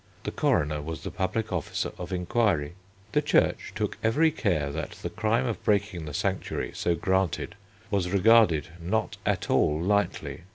The coroner was the public officer of inquiry. The Church took every care that the crime of breaking the sanctuary so granted was regarded not at all lightly.